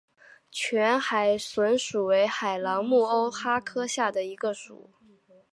全海笋属为海螂目鸥蛤科下的一个属。